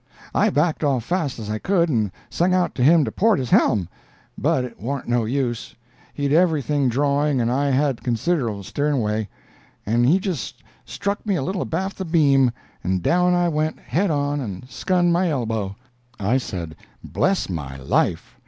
I backed off fast as I could, and sung out to him to port his helm, but it warn't no use; he'd everything drawing and I had considerable sternway, and he just struck me a little abaft the beam, and down I went, head on, and skunned my elbow!" I said, "Bless my life!"